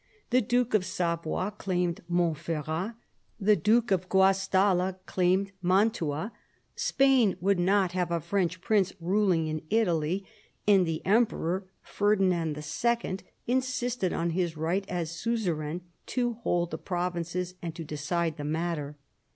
The Duke of Savoy claimed Montferrat, the Duke of Guastalla claimed Mantua ; Spain would not have a French prince ruling in Italy, and the Emperor Ferdinand II. insisted on his right as suzerain to hold the provinces and to decide the matter.